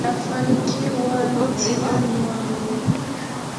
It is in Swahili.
Nfanikiwa mtihani wangu.